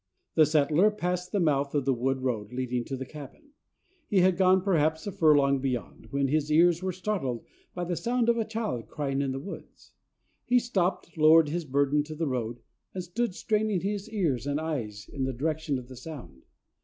The settler passed the mouth of the wood road leading to the cabin. He had gone perhaps a furlong beyond, when his ears were startled by the sound of a child crying in the woods. He stopped, lowered his burden to the road, and stood straining ears and eyes in the direction of the sound.